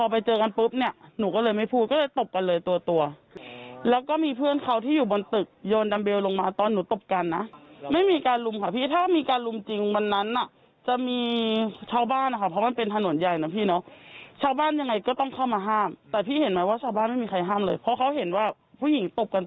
พี่ตามคลิปตามคลิปเสียงที่หนูมีอะไรอย่างนี้